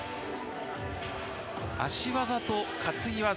足技と担ぎ技